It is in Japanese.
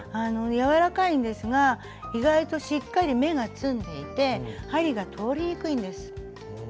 柔らかいんですが意外としっかり目がつんでいて針が通りにくいんです。